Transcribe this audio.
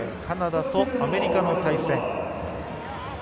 カナダとアメリカの対戦。